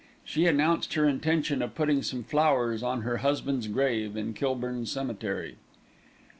She announced her intention of putting some flowers on her husband's grave in Kilburn Cemetery.